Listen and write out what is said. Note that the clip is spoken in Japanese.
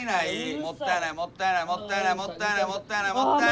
もったいない！もったいないもったいないもったいないもったいない。